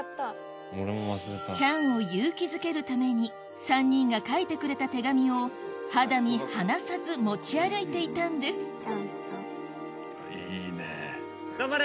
チャンを勇気づけるために３人が書いてくれた手紙を肌身離さず持ち歩いていたんです頑張れ！